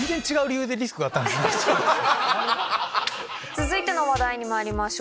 続いての話題にまいりましょう。